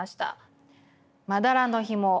「まだらのひも」